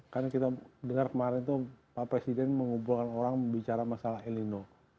kan kita dengar kemarin itu pak presiden mengumpulkan orang bicara masalah el nino